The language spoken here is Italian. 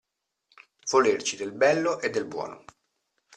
Volerci del bello e del buono.